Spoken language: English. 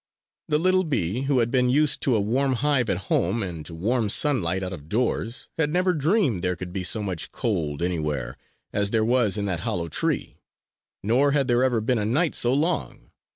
The little bee, who had been used to a warm hive at home and to warm sunlight out of doors, had never dreamed there could be so much cold anywhere as there was in that hollow tree. Nor had there ever been a night so long!